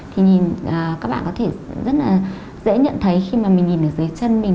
thì các bạn có thể rất là dễ nhận thấy khi mà mình nhìn ở dưới chân mình